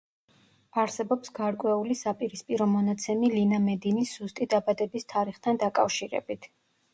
არსებობს გარკვეული საპირისპირო მონაცემი ლინა მედინის ზუსტი დაბადების თარიღთან დაკავშირებით.